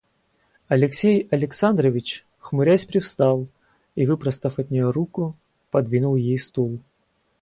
Алексей Александрович хмурясь привстал и, выпростав от нее руку, подвинул ей стул.